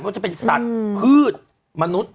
ว่าจะเป็นสัตว์พืชมนุษย์